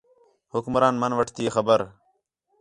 حکمران مَن وٹھتی ہِے خبر